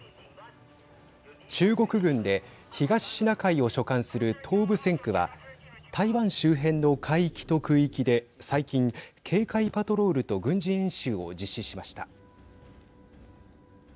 中国軍で東シナ海を所管する東部戦区は台湾周辺の海域と空域で最近、警戒パトロールと軍事演習を実施しました。